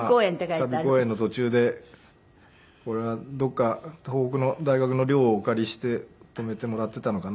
旅公演の途中でこれはどこか東北の大学の寮をお借りして泊めてもらっていたのかな。